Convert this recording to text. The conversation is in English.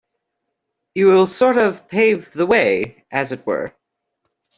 You will sort of pave the way, as it were.